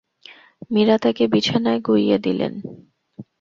মীরা তাঁকে বিছানায় গুইয়ে দিলেন।